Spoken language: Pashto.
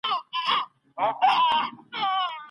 فرد ځان له ټولني جلا احساسوي.